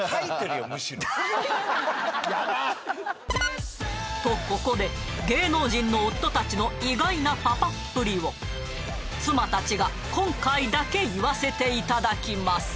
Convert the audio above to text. むしろとここで芸能人の夫達の意外なパパっぷりを妻達が今回だけ言わせていただきます